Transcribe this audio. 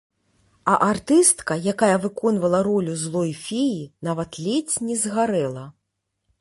А артыстка, якая выконвала ролю злой феі, нават ледзь не згарэла.